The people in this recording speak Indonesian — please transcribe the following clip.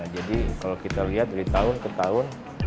jadi kalau kita lihat dari tahun ke tahun